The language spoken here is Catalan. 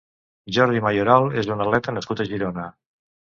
Jordi Mayoral és un atleta nascut a Girona.